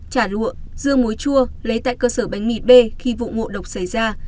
chả lụa dưa muối chua lấy tại cơ sở bánh mì b khi vụ ngộ độc xảy ra